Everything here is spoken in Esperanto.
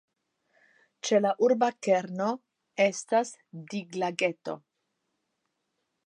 Ĉe la urba kerno estas diglageto.